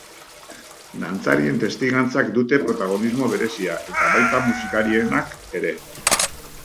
Dantzarien testigantzak dute protagonismo berezia eta baita musikarienak ere.